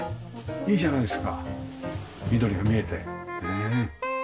いいじゃないですか緑が見えてねえ。